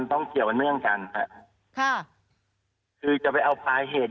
ต้องเกี่ยวเนื่องกันค่ะค่ะคือจะไปเอาปลายเหตุ